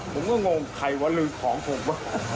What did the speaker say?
ผมก็งงใครวะลืมของผม